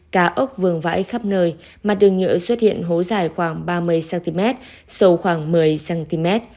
cá ốc vườn vãi khắp nơi mặt đường nhựa xuất hiện hố dài khoảng ba mươi cm sâu khoảng một mươi cm